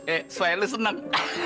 eh sueb seneng